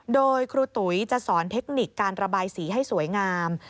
โดยครูตุ๋ยจะสอนเทคนิคการระบายสีให้สวยงาม